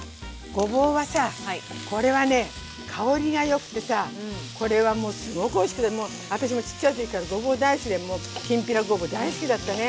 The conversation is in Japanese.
ごぼうはさこれはね香りがよくてさこれはもうすごくおいしくてもう私もちっちゃい時からごぼう大好きでもうきんぴらごぼう大好きだったね。